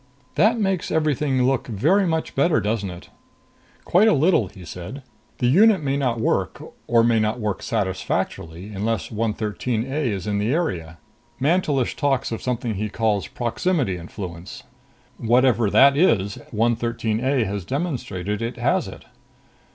"That makes everything look very much better, doesn't it?" "Quite a little," he said. "The unit may not work, or may not work satisfactorily, unless 113 A is in the area. Mantelish talks of something he calls proximity influence. Whatever that is, 113 A has demonstrated it has it."